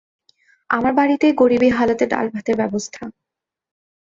আমার বাড়িতেই গরিবি হালতে ডালভাতের ব্যবস্থা।